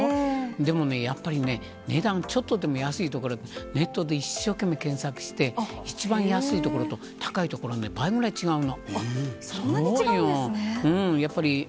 でもね、やっぱりね、値段、ちょっとでも安い所で、ネットで一生懸命検索して、一番安いところと高い所で倍ぐらい違うの。